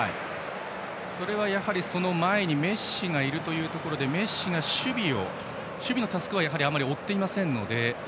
それは、その前にメッシがいるというところでメッシが守備のタスクはあまり負っていませんので。